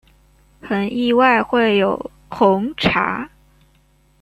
很意外会有红茶